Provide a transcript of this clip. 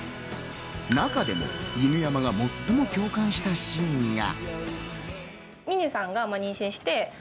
中でも犬山が最も共感したシーンが。